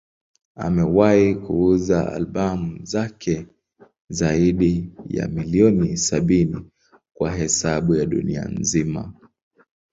Amewahi kuuza albamu zake zaidi ya milioni sabini kwa hesabu ya dunia nzima.